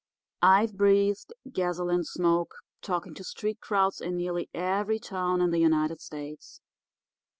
I've breathed gasoline smoke talking to street crowds in nearly every town in the United States.